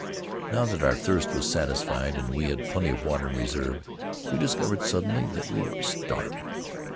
"Now that our thirst was satisfied and we had plenty of water in reserve we discovered suddenly that we were starving.